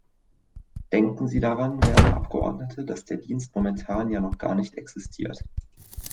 Denken Sie daran, werte Abgeordnete, dass der Dienst momentan ja noch gar nicht existiert.